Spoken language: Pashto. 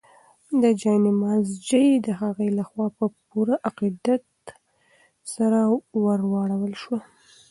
د جاینماز ژۍ د هغې لخوا په پوره عقیدت سره ورواړول شوه.